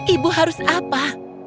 ibu harus apa